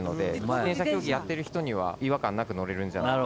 自転車競技やってる人には違和感なく乗れるんじゃ。